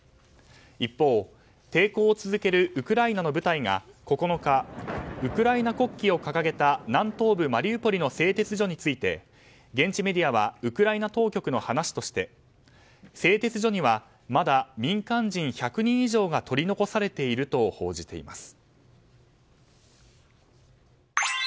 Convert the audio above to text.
一方、抵抗を続けるウクライナの部隊が９日、ウクライナ国旗を掲げた南東部マリウポリの製鉄所について現地メディアはウクライナ当局の話として製鉄所にはまだ民間人１００人以上が取り残されていると報じています。